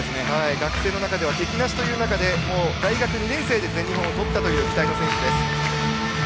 学生の中では敵なしという中で、大学２年生で全日本をとった期待の選手。